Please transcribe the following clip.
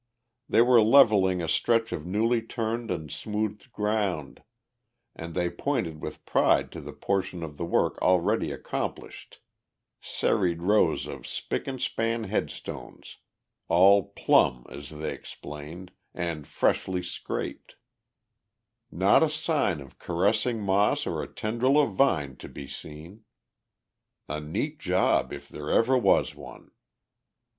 They were levelling a stretch of newly turned and smoothed ground, and they pointed with pride to the portion of the work already accomplished, serried rows of spick and span headstones, all "plumb," as they explained, and freshly scraped not a sign of caressing moss or a tendril of vine to be seen. A neat job, if there ever was one.